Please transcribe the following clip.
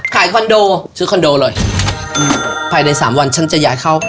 คอนโดซื้อคอนโดเลยอืมภายในสามวันฉันจะย้ายเข้า